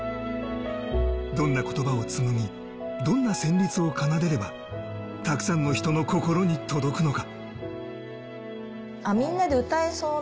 どんな言葉を紡ぎ、どんな旋律を奏でれば、たくさんの人の心に届くのか。